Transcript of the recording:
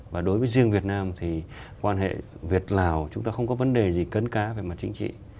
và đối với riêng việt nam thì quan hệ việt lào chúng ta không có vấn đề gì cấn cá về mặt chính trị